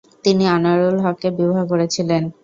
তিনি আনোয়ারুল হককে বিবাহ করেছিলেন।